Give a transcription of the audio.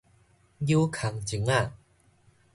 搝空鐘仔